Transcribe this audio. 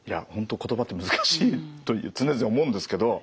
言葉って難しいと常々思うんですけど。